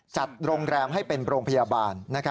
จัดโรงแรมให้เป็นโรงพยาบาล